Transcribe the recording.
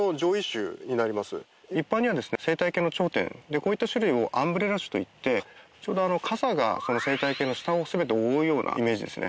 こういった種類をアンブレラ種といってちょうど傘が生態系の下を全て覆うようなイメージですね。